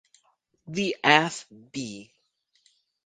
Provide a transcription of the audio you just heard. The F. B.